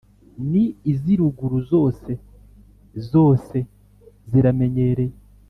ni iz’iruguru zose: zose ziramenyereye